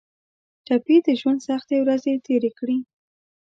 ټپي د ژوند سختې ورځې تېرې کړي.